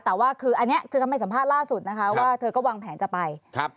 แต่ว่าคืออันนี้คือคำให้สัมภาษณ์ล่าสุดนะคะว่าเธอก็วางแผนจะไปครับ